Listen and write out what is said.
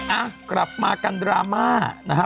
อ่ะกลับมากันดราม่านะฮะ